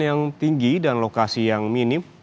yang tinggi dan lokasi yang minim